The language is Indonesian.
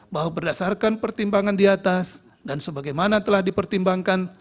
bahwa berdasarkan pertimbangan di atas dan sebagaimana telah dipertimbangkan